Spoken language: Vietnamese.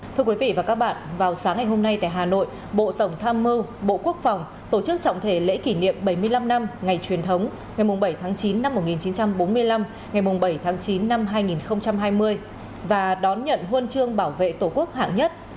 thưa quý vị và các bạn vào sáng ngày hôm nay tại hà nội bộ tổng tham mưu bộ quốc phòng tổ chức trọng thể lễ kỷ niệm bảy mươi năm năm ngày truyền thống ngày bảy tháng chín năm một nghìn chín trăm bốn mươi năm ngày bảy tháng chín năm hai nghìn hai mươi và đón nhận huân chương bảo vệ tổ quốc hạng nhất